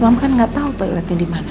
mama kan gak tau toiletnya dimana